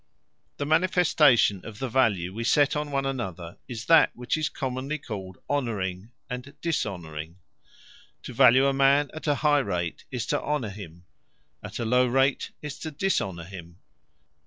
The manifestation of the Value we set on one another, is that which is commonly called Honouring, and Dishonouring. To Value a man at a high rate, is to Honour him; at a low rate, is to Dishonour him.